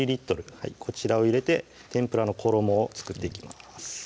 こちらを入れて天ぷらの衣を作っていきます